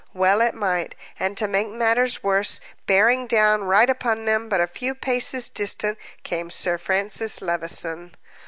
Well it might. And, to make matters worse, bearing down right upon them, but a few paces distant, came Sir Francis Levison.